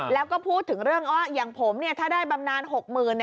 แล้วก็พูดถึงเรื่องว่าอย่างผมถ้าได้บำนาน๖๐๐๐บาท